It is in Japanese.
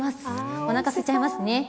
おなかすいちゃいますね。